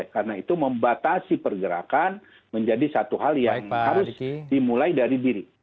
karena itu membatasi pergerakan menjadi satu hal yang harus dimulai dari diri